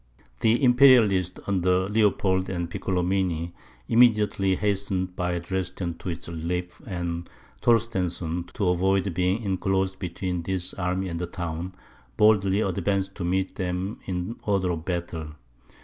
The Imperialists, under Leopold and Piccolomini, immediately hastened by Dresden to its relief, and Torstensohn, to avoid being inclosed between this army and the town, boldly advanced to meet them in order of battle.